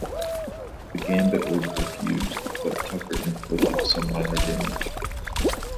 The gambit was refused, but Tucker inflicted some minor damage.